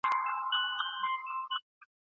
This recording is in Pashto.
تولیدوونکي باید د مصرف کوونکو اړتیاوې درک کړي.